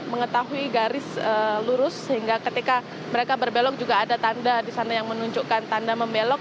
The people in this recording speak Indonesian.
mengetahui garis lurus sehingga ketika mereka berbelok juga ada tanda di sana yang menunjukkan tanda membelok